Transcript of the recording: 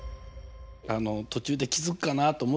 途中で気付くかなって思ってたの。